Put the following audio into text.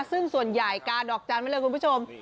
ซึ่งส่วนใหญ่กาดอกจันทร์ไว้เลยคุณผู้ชม